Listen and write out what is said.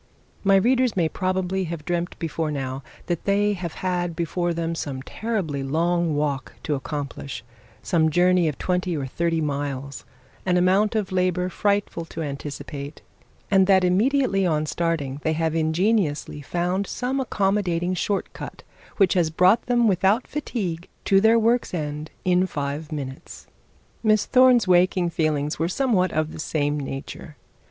My readers may probably have dreamt before now that they have had before them some terrible long walk to accomplish, some journey of twenty or thirty miles, an amount of labour frightful to anticipate, and that immediately on starting they have ingeniously found some accommodating short cut which have brought them without fatigue to their work's end in five minutes. Miss Thorne's waking feelings were somewhat of the same nature.